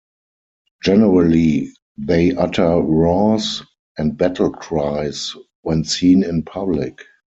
Generally, they utter roars and battle cries when seen in public.